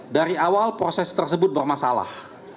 dari awal proses tersebut bermasalah